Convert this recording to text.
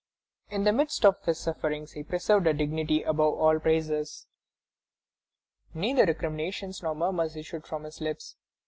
In the midst of his sufferings he preserved a dignity above all praise. Neither recriminations nor murmurs issued from his lips.